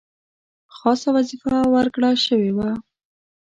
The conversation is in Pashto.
خاصه وظیفه ورکړه شوې وه.